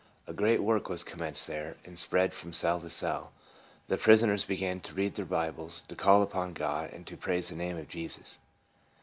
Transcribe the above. A great work was commenced there, and spread from cell to cell. The prisoners began to read their Bibles, to call upon God, and to praise the name of Jesus.